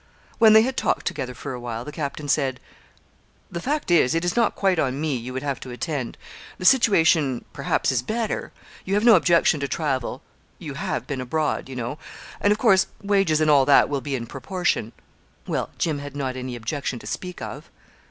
When they had talked together for a while, the captain said 'The fact is, it is not quite on me you would have to attend; the situation, perhaps, is better. You have no objection to travel. You have been abroad, you know; and of course wages and all that will be in proportion.' Well, Jim had not any objection to speak of.